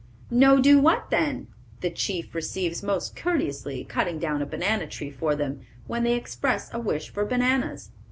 "No do what then?" The chief receives most courteously, cutting down a banana tree for them, when they express a wish for bananas.